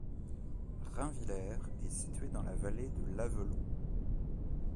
Rainvillers est située dans la vallée de l'Avelon.